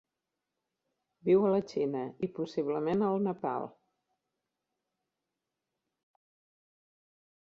Viu a la Xina i, possiblement, al Nepal.